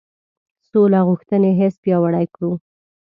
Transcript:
سوله غوښتنې حس پیاوړی کړو.